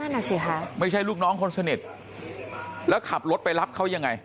อ่ะสิคะไม่ใช่ลูกน้องคนสนิทแล้วขับรถไปรับเขายังไง